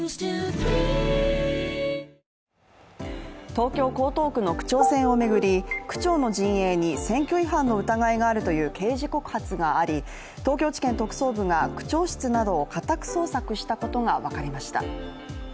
東京・江東区の区長選を巡り区長の陣営に選挙違反の疑いがあるという刑事告発があり、東京地検特捜部が区長室などを家宅捜索したことが分かりました。